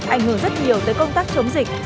ảnh hưởng rất nhiều tới công tác chống dịch